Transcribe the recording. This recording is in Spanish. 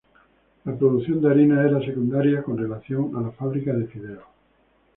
La producción de harina era secundaria con relación a la fábrica de fideos.